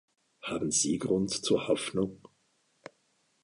Haben Sie Grund zur Hoffnung?